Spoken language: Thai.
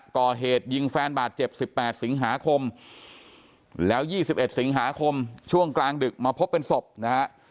ก่อเหตุยิงแฟนบาดเจ็บ๑๘สิงหาคมแล้ว๒๑สิงหาคมช่วงกลางดึกมาพบเป็นศพนะฮะ